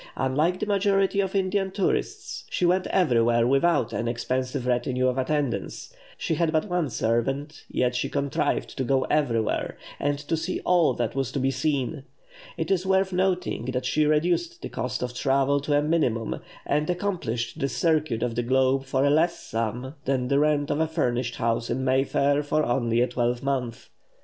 Unlike the majority of Indian tourists, she went everywhere without an expensive retinue of attendants; she had but one servant, yet she contrived to go everywhere, and to see all that was to be seen. It is worth noting that she reduced the cost of travel to a minimum, and accomplished the circuit of the globe for a less sum than the rent of a furnished house in Mayfair for only a twelvemonth.